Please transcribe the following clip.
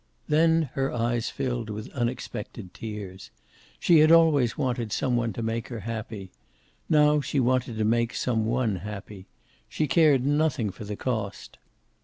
Then her eyes filled with unexpected tears. She had always wanted some one to make her happy. Now she wanted to make some one happy. She cared nothing for the cost.